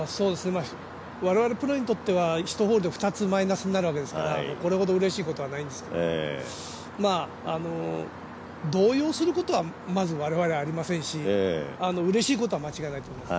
我々プロにとっては１ホールで２つマイナスになるわけですからこれほどうれしいことはないんですけど動揺することはまず我々ありませんし、うれしいことは間違いないと思います。